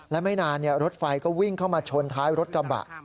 และไม่นานรถไฟก็วิ่งเข้ามาชนท้ายรถกระบะ